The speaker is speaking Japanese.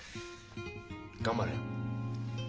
頑張れよ。